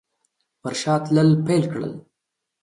پر شا تلل پیل کړل.